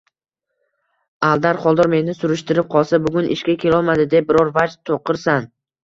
Aldar Xoldor meni surishtirib qolsa, bugun ishga kelolmadi deb, biror vaj to‘qirsan